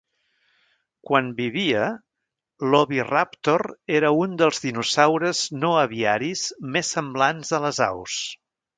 Quan vivia, l'"oviraptor" era un dels dinosaures no aviaris més semblants a les aus.